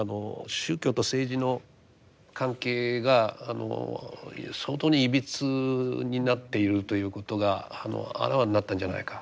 宗教と政治の関係が相当にいびつになっているということがあらわになったんじゃないか。